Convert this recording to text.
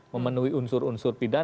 memenuhi unsur unsur pidana